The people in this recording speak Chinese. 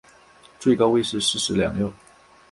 最高位是西十两六。